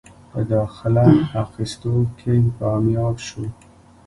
پۀ داخله اخستو کښې کامياب شو ۔